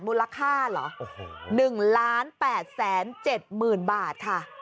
มูลค่าเหรอ๑๘๗๐๐๐บาทค่ะ